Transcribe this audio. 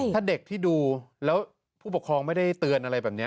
ถ้าเด็กที่ดูแล้วผู้ปกครองไม่ได้เตือนอะไรแบบนี้